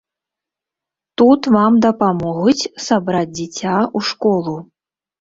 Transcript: Тут вам дапамогуць сабраць дзіця ў школу.